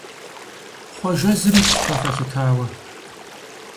Хъуэжэ зырикӀщ фэ фэлъытауэ.